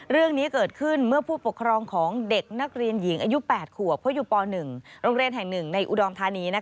เรื่องนี้เกิดขึ้นเมื่อผู้ปกครองของเด็กนักเรียนหญิงอายุ๘ขวบเขาอยู่ป๑โรงเรียนแห่ง๑ในอุดรธานี